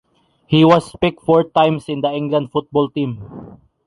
He was picked four times in the England football team.